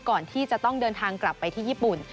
ก่อนที่จะต้องเดินทางกลับไปที่ญี่ปุ่น